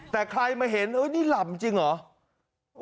แต่ใครมาเห็นนี่หล่ำจริงเหรอ